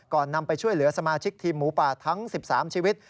นำไปช่วยเหลือสมาชิกทีมหมูป่าทั้ง๑๓ชีวิต